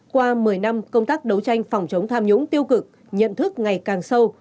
qua một mươi năm công tác đấu tranh phòng chống tham nhũng tiêu cực nhận thức ngày càng sâu